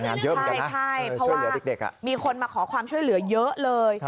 เพราะว่ามีคนขอความช่วยเหลือเยอะเลย